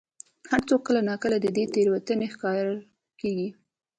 هر څوک کله نا کله د دې تېروتنې ښکار کېږي.